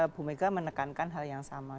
bu mega menekankan hal yang sama